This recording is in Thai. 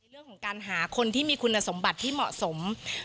เรื่องของการหาคนที่มีคุณสมบัติที่เหมาะสม